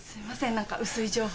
何か薄い情報で。